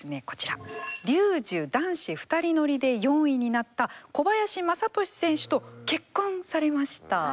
こちらリュージュ男子２人乗りで４位になった小林政敏選手と結婚されました。